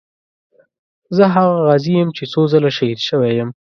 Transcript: زه هغه غازي یم چې څو ځله شهید شوی یم.